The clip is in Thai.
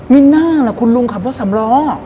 ไม่น่าเหรอคุณลุงครับเพราะสำลอง